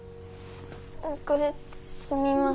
遅れてすみません。